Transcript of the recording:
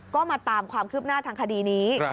ก็มาตามความคืบหน้าทางคดีนี้